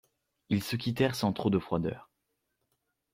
Ils se quittèrent sans trop de froideur.